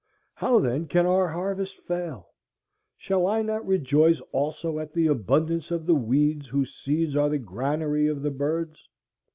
How, then, can our harvest fail? Shall I not rejoice also at the abundance of the weeds whose seeds are the granary of the birds?